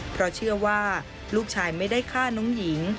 เพราะเชื่อว่าลูกชายไม่ได้ฆ่าน้องหญิง